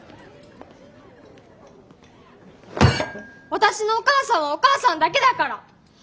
私のお母さんはお母さんだけだから！